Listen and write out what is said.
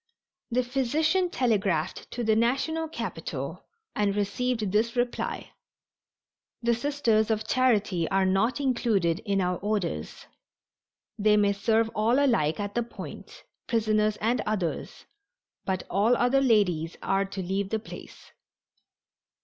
The physician telegraphed to the national capital and received this reply: "The Sisters of Charity are not included in our orders. They may serve all alike at the Point, prisoners and others, but all other ladies are to leave the place."